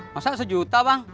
masa sejuta bang